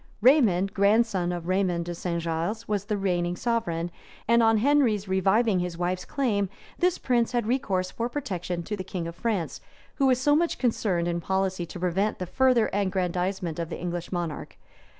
Raymond, grandson of Raymond de St. Gilles was the reigning sovereign; and on Henry's reviving his wife's claim, this prince had recourse for protection to the king of France, who was so much concerned in policy to prevent the further aggrandizement of the English monarch.